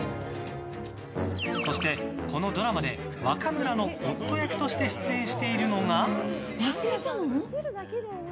そして、このドラマで若村の夫役として出演しているのが。